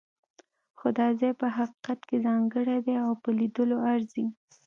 خو دا ځای په حقیقت کې ځانګړی دی او په لیدلو ارزي.